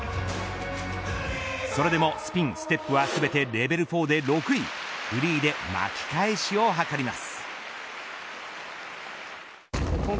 それでもスピン、ステップは全てレベル４で６位フリーで巻き返しを図ります。